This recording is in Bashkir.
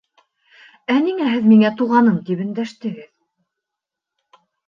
— Ә ниңә һеҙ миңә туғаным тип өндәштегеҙ?